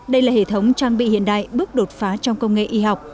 đây là hệ thống trang bị hiện đại bước đột phá trong công nghệ y học